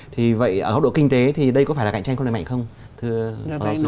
thì vậy ở hốc độ kinh tế thì đây có phải là cạnh tranh không lại mạnh không thưa phó giáo sư